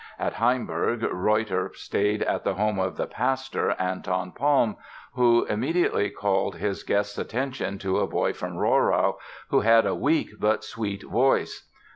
At Hainburg Reutter stayed at the home of the pastor, Anton Palmb, who immediately called his guest's attention to a boy from Rohrau who had "a weak but sweet voice."